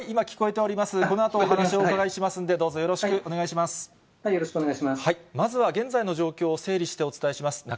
まずは現在の状況を整理してお伝えします。